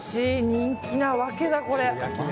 人気なわけだ、これ。